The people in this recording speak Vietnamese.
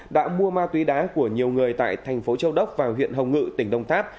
đã mua ma túy đá của nhiều người tại thành phố châu đốc và huyện hồng ngự tỉnh đông tháp